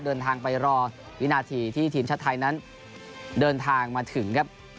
เดินทางไปรอวินาทีที่ทีมชาติไทยนั้นเดินทางมาถึงครับ